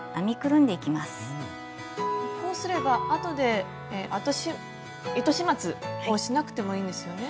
こうすればあとで糸始末をしなくてもいいんですよね。